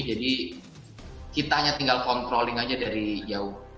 jadi kita hanya tinggal kontrolin aja dari jauh